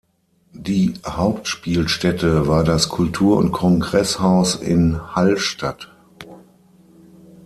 Die Hauptspielstätte war das Kultur- und Kongresshaus in Hallstatt.